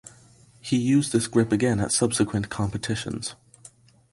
He used this grip again at subsequent competitions.